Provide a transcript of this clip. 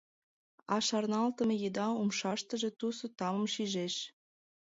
А шарналтыме еда умшаштыже тусо тамым шижеш.